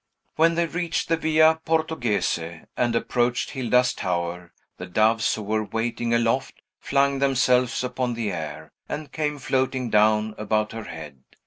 When they reached the Via Portoghese, and approached Hilda's tower, the doves, who were waiting aloft, flung themselves upon the air, and came floating down about her head.